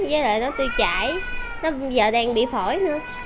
với lại nó tư chảy nó giờ đang bị phổi nữa